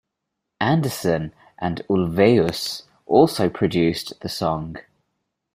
Andersson and Ulvaeus also produced the song.